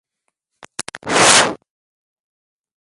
Anonymous Zinajulikana na kutumiwa kwa aina tofauti za